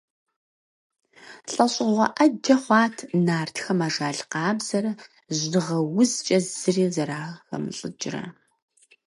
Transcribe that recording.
ЛӀэщӀыгъуэ Ӏэджэ хъуат нартхэм ажал къабзэрэ жьыгъэ узкӀэ зыри зэрахэмылӀыкӀрэ.